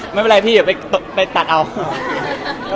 ไม่เป็นไรพี่ไปตัดเอา